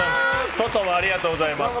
外もありがとうございます。